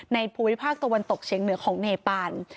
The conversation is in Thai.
ภูมิภาคตะวันตกเฉียงเหนือของเนปาน